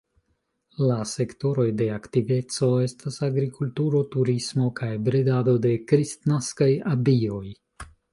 La sektoroj de aktiveco estas agrikulturo, turismo kaj bredado de kristnaskaj abioj.